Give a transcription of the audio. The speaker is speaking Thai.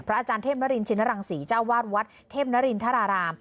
อาจารย์เทพนรินชินรังศรีเจ้าวาดวัดเทพนรินทราราม